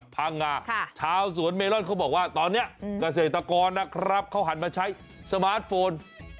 พังงาชาวสวนเมลอนเขาบอกว่าตอนนี้เกษตรกรนะครับเขาหันมาใช้สมาร์ทโฟน